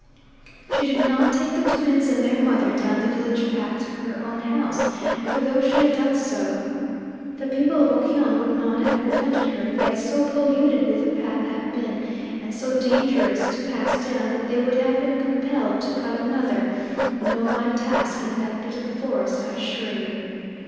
She did not take the twins and their mother down the village path to her own house, for though had she done so the people of Okyon would not have prevented her, yet so polluted would the path have been, and so dangerous to pass down, that they would have been compelled to cut another, no light task in that bit of forest, I assure you.